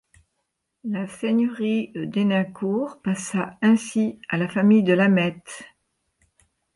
La seigneurie d'Hénencourt passa ainsi à la famille de Lameth.